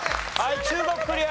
中国クリア。